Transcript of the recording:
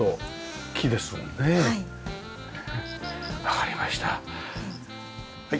わかりました。